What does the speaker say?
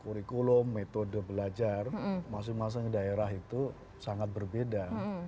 kurikulum metode belajar masing masing daerah itu sangat berbeda